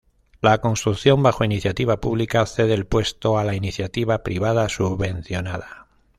La construcción bajo iniciativa pública cede el puesto a la iniciativa privada subvencionada.